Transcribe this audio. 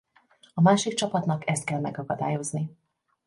A másik csapatnak ezt kell megakadályozni.